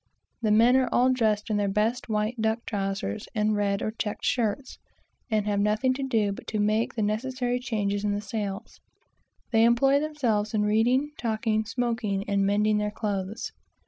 The men are all dressed in their best white duck trowsers, and red or checked shirts, and have nothing to do but to make the necessary changes in the sails. They employ themselves in reading, talking, smoking, and mending their clothes.